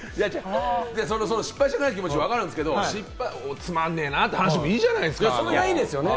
失敗したくない気持ちは分かるんですけれど、つまんないなって話でもいいじゃないですか。